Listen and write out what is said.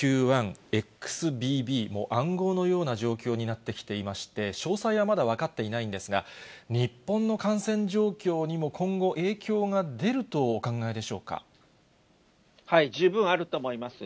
ＢＱ．１、ＸＢＢ、もう暗号のような状況になってきていまして、詳細はまだ分かっていないんですが、日本の感染状況にも今後、十分あると思います。